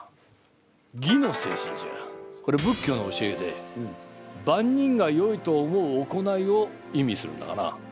これ仏教の教えでばんにんがよいと思う行いを意味するんだがな。